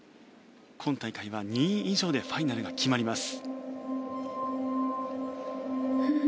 今大会は２位以上でファイナルが決まります。